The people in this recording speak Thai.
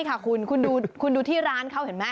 คุณดูที่ร้านเขาเห็นมั้ย